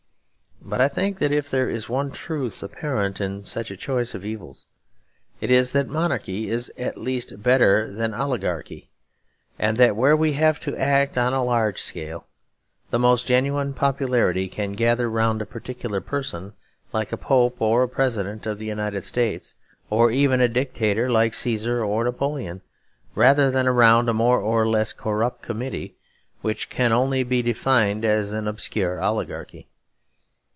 But I think that if there is one truth apparent in such a choice of evils, it is that monarchy is at least better than oligarchy; and that where we have to act on a large scale, the most genuine popularity can gather round a particular person like a Pope or a President of the United States, or even a dictator like Caesar or Napoleon, rather than round a more or less corrupt committee which can only be defined as an obscure oligarchy.